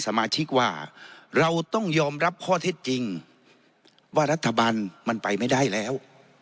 สมาชิกว่าเราต้องยอมรับข้อเท็จจริงว่ารัฐบาลมันไปไม่ได้แล้ว